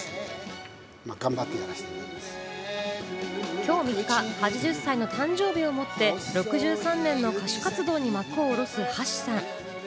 今日８０歳の誕生日を持って６３歳の歌手活動に幕を下ろす橋さん。